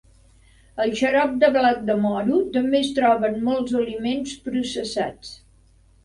El xarop de blat de moro també es troba en molts aliments processats.